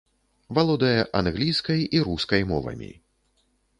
Валодае англійскай і рускай мовамі.